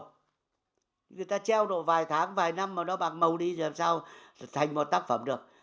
người ta treo độ vài tháng vài năm mà nó bạc màu đi làm sao thành một tác phẩm được